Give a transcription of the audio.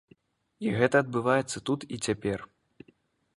І гэта адбываецца тут і цяпер.